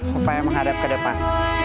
supaya menghadap ke depan